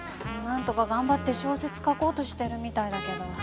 なんとか頑張って小説書こうとしてるみたいだけど。